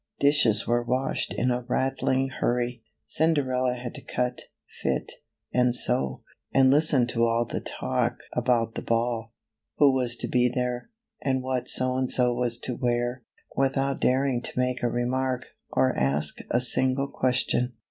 Dishes were washed in a rattling hurry. Cinderella had to cut, fit, and sew, and listen to all the talk about the ball — who was to be there, and what So and So was to wear — without daring to make a remark, or ask a single (juestion.